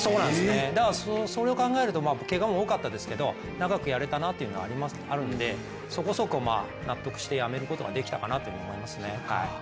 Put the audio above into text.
だから、それを考えるとけがも多かったですけど長くやれたなというのはあるのでそこそこ納得して辞めることができたかなと思いますね。